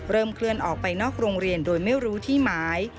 เคลื่อนออกไปนอกโรงเรียนโดยไม่รู้ที่หมาย